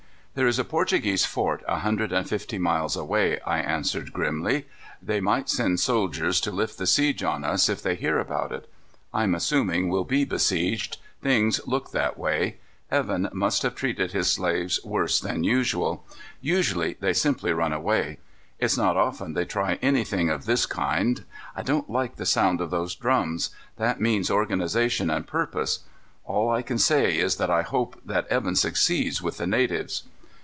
"There is a Portuguese fort a hundred and fifty miles away," I answered grimly. "They might send soldiers to lift the siege on us if they hear about it. I'm assuming we'll be besieged. Things look that way. Evan must have treated his slaves worse than usual. Usually they simply run away. It's not often they try anything of this kind. I don't like the sound of those drums. That means organization and purpose. All I can say is that I hope Evan succeeds with the natives."